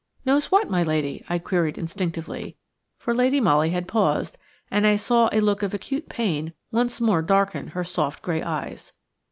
"Knows what, my lady?" I queried instinctively, for Lady Molly had paused, and I saw a look of acute pain once more darken her soft, grey eyes.